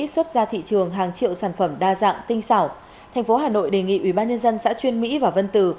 xuất ra thị trường hàng triệu sản phẩm đa dạng tinh xảo thành phố hà nội đề nghị ubnd xã chuyên mỹ và vân tử